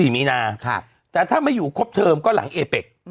๔มีนาแต่ถ้าไม่อยู่ครบเทอมก็หลังเอเป็ก